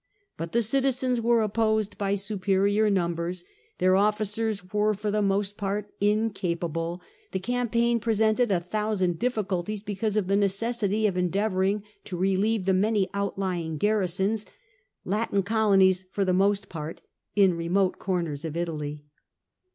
Bat the citizens were opposed by superior numbers ; their officers were for the most part incapable ; the cam paign presented a thousand difficulties because of the necessity of endeavouring to relieve the many outlying garrisons— Latin oolonies for the most part — ia remote corners of Italy.